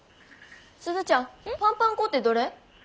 鈴ちゃんパンパン粉ってどれ？